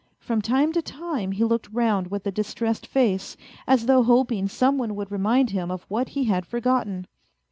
From time to time he looked round with a distressed face, as though hoping some one would remind him of what he had forgotten.